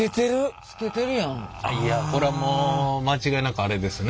これはもう間違いなくアレですね。